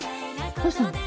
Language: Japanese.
どうしたの？